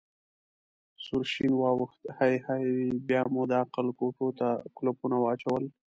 سور شین واوښت: هی هی، بیا مو د عقل کوټو ته کولپونه واچول.